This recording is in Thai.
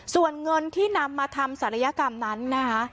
ส่วนเงินที่นำมาทำศัลยกรรมนั้นนะคะ